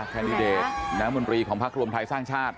แคนดิเดตน้ำมนตรีของพักรวมไทยสร้างชาติ